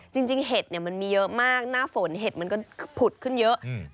เห็ดเนี่ยมันมีเยอะมากหน้าฝนเห็ดมันก็ผุดขึ้นเยอะ